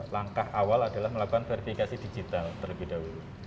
langkah awal adalah melakukan verifikasi digital terlebih dahulu